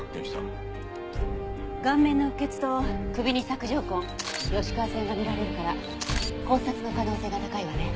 顔面の鬱血と首に索条痕吉川線が見られるから絞殺の可能性が高いわね。